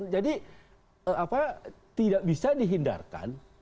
jadi tidak bisa dihindarkan